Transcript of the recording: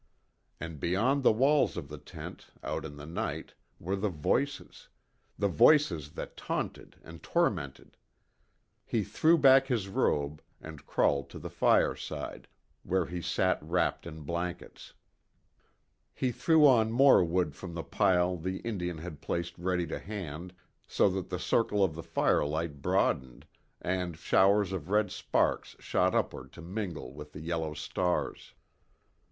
And beyond the walls of the tent out in the night were the voices the voices that taunted and tormented. He threw back his robe, and crawled to the fireside, where he sat wrapped in blankets. He threw on more wood from the pile the Indian had placed ready to hand, so that the circle of the firelight broadened, and showers of red sparks shot upward to mingle with the yellow stars.